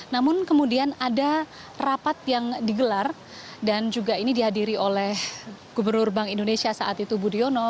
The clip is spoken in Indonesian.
namun kemudian ada rapat yang digelar dan juga ini dihadiri oleh gubernur bank indonesia saat itu budiono